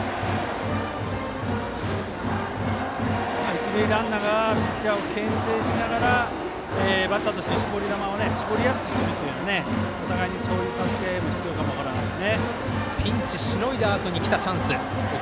一塁ランナーがピッチャーをけん制しながらバッターとしては、絞り球を絞りやすくするというお互いに、そういう助け合いも必要かも分からないです。